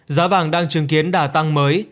giá vàng đang chứng kiến đà tăng mới